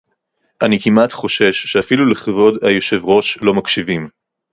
אני כמעט חושש שאפילו לכבוד היושב-ראש לא מקשיבים